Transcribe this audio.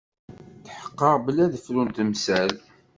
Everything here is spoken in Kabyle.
Tḥeqqeɣ belli ad frunt temsal.